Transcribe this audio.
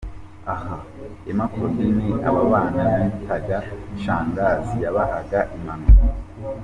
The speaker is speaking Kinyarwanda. Aha, Emma Claudine aba bana bitaga shangazi yabahaga impanuro.